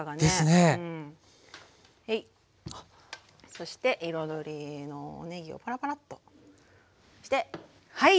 そして彩りのおねぎをパラパラッとしてはい！